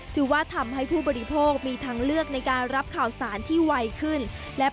ก็เชื่อมนักข่าวด้วยนะคะ